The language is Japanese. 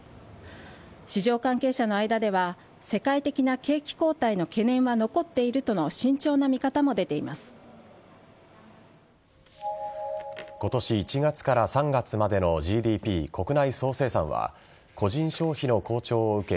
市場関係者の間では世界的な景気後退の懸念は残っているとの今年１月から３月までのＧＤＰ＝国内総生産は個人消費の好調を受け